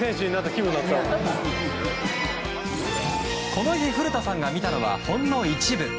この日古田さんが見たのはほんの一部。